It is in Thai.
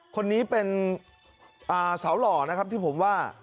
คนนี้เป็นสาวหล่อนะครับที่ผมว่า